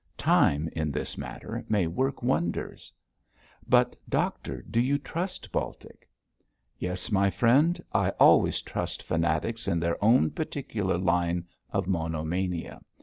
Time, in this matter, may work wonders.' 'But, doctor, do you trust Baltic?' 'Yes, my friend, I always trust fanatics in their own particular line of monomania.